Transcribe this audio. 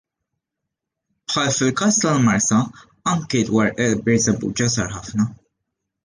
Bħal fil-każ tal-Marsa, anki dwar Birżebbuġa sar ħafna.